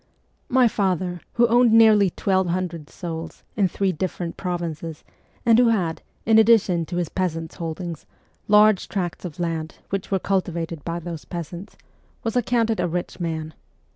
My father, who owned nearly twelve hundred souls, in three different provinces, and who had, in addition to his peasants' holdings, large tracts of land which were cultivated by these peasants, was accounted a rich man.